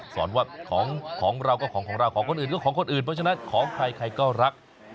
สอนว่าของเราก็ของของเราของคนอื่นก็ของคนอื่นเพราะฉะนั้นของใครใครก็รัก